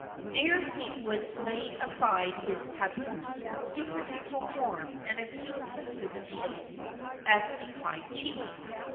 There he would lay aside his tabu supernatural form and assume the human shape as a high chief.